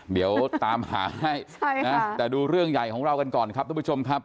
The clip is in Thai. เดี๋ยวตามหาให้นะแต่ดูเรื่องใหญ่ของเรากันก่อนครับทุกผู้ชมครับ